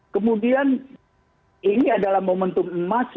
kemudian ini adalah momentum emas